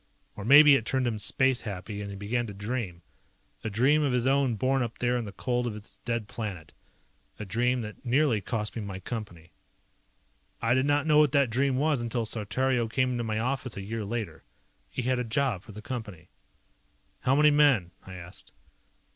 Or maybe it turned him space happy and he began to dream. A dream of his own born up there in the cold of his dead planet. A dream that nearly cost me my Company. I did not know what that dream was until Saltario came into my office a year later. He had a job for the Company. "How many men?" I asked.